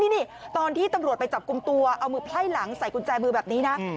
นี่ตอนที่ตำรวจไปจับกลุ่มตัวเอามือไพ่หลังใส่กุญแจมือแบบนี้นะ